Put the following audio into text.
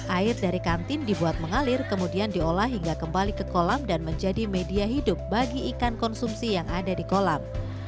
air dari kantin dibuat mengalir kemudian diolah hingga kembali ke kolam dan menjadi media hidup bagi ikan konsumsi yang ada di kolam